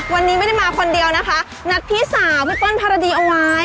วันนี้ไม่ได้มาคนเดียวนะคะนัดพี่สาวพี่เปิ้ลภารดีเอาไว้